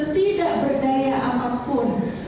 tidak berdaya apapun